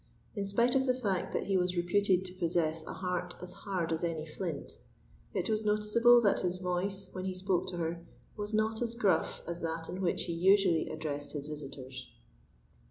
In spite of the fact that he was reputed to possess a heart as hard as any flint, it was noticeable that his voice, when he spoke to her was not as gruff as that in which he usually addressed his visitors.